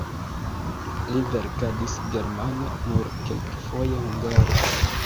Li verkadis germane, nur kelkfoje hungare.